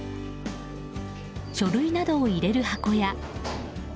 書類などを入れる箱や。